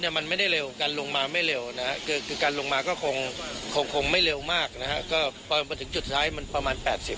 ที่มันไม่ได้เรากันลงมาไม่เร็วนะก็ผลวงไม่เร็วมากนะก็ถึงจุดท้ายมันประมาณ๘๐